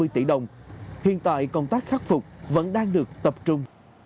năm mươi tỷ đồng hiện tại công tác khắc phục vẫn đang được tập trung